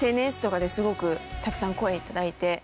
ＳＮＳとかですごくたくさん声頂いて。